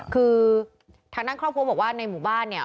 คือทางด้านครอบครัวบอกว่าในหมู่บ้านเนี่ย